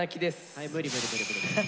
はい無理無理無理無理無理。